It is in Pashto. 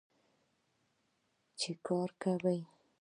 چې کار کوي.